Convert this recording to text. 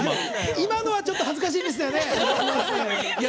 今のはちょっと恥ずかしいですよね。